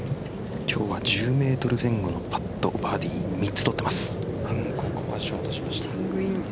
今日は１０メートル前後のパットバーディー３つ取ってます。